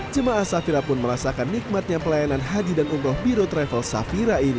jemaah safira pun merasakan nikmatnya pelayanan haji dan umroh biro travel safira ini